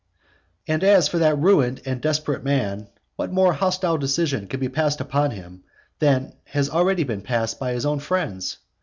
And as for that ruined and desperate man, what more hostile decision can be passed upon him than has already been passed by his own friends?